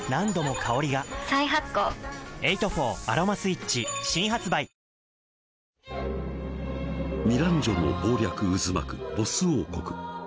「エイト・フォーアロマスイッチ」新発売［ミランジョの謀略渦巻くボッス王国］